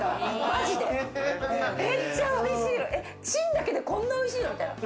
チンだけでこんなに美味しいの？みたいな。